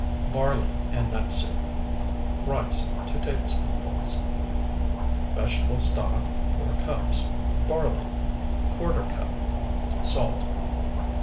BARLEY AND NUT SOUP Rice, 2 tablespoonfuls. Vegetable stock, 4 cups. Barley, ¼ cup. Salt.